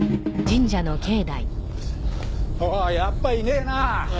やっぱいねえな。